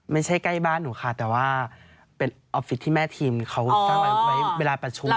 ไม่ใช่ใกล้บ้านหนูค่ะแต่ว่าเป็นออฟฟิศที่แม่ทีมเขาสร้างไว้เวลาประชุม